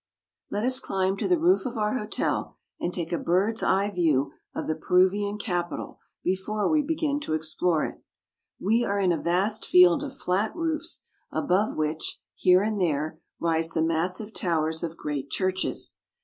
LET us cHmb to the roof of our hotel and take a bird's j eye view of the Peruvian capital before we begin to explore it. We are in a vast field of flat roofs, above which, here and there, rise the massive towers of great churches.